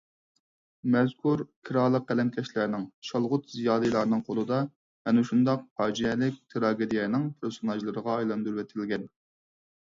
مەزكۇر كىرالىق قەلەمكەشلەرنىڭ، شالغۇت زىيالىيلارنىڭ قولىدا ئەنە شۇنداق پاجىئەلىك تىراگېدىيەنىڭ پېرسوناژلىرىغا ئايلاندۇرۇۋېتىلگەن.